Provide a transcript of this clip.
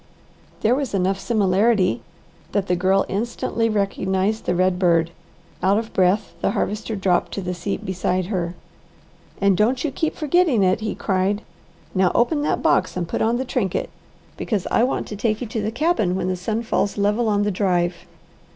There was enough similarity that the Girl instantly recognized the red bird. Out of breath the Harvester dropped to the seat beside her. "And don't you keep forgetting it!" he cried. "Now open that box and put on the trinket; because I want to take you to the cabin when the sun falls level on the drive."